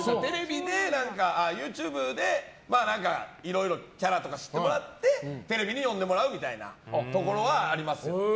ＹｏｕＴｕｂｅでいろいろキャラとかを知ってもらってテレビに呼んでもらうみたいなところはありますよ。